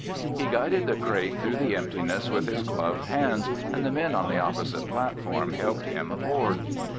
He guided the crate through the emptiness with his gloved hands and the men on the opposite platform helped him aboard.